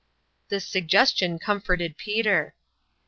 " This suggestion comforted Peter.